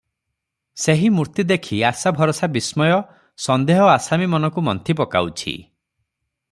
ସେହି ମୂର୍ତ୍ତି ଦେଖି ଆଶା ଭରସା ବିସ୍ମୟ, ସନ୍ଦେହ ଆସାମୀ ମନକୁ ମନ୍ଥି ପକାଉଛି ।